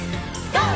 ＧＯ！